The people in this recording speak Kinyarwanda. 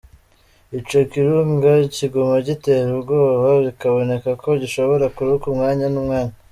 Ico kirunga kiguma gitera ubwoba, bikaboneka ko gishobora kuruka umwanya n'umwanya.